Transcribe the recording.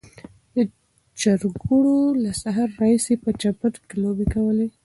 چرګوړو له سهار راهیسې په چمن کې لوبې کولې.